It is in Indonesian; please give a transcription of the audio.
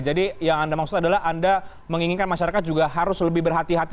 jadi yang anda maksud adalah anda menginginkan masyarakat juga harus lebih berhati hati